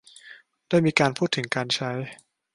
ได้มีการพูดถึงการใช้